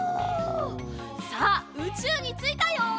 さあうちゅうについたよ。